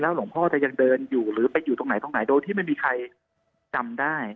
หลวงพ่อจะยังเดินอยู่หรือไปอยู่ตรงไหนตรงไหนโดยที่ไม่มีใครจำได้